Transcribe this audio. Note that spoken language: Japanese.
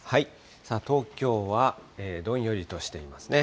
さあ東京は、どんよりとしていますね。